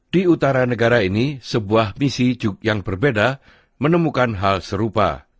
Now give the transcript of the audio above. di utara negara ini sebuah misi yang berbeda menemukan hal serupa